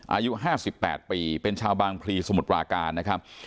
อายุห้าสิบแปดปีเป็นชาวบางพลีสมุทรวาการนะครับ